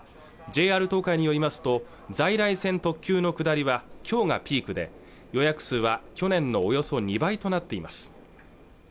ＪＲ東海によりますと在来線特急の下りはきょうがピークで予約数は去年のおよそ２倍となっています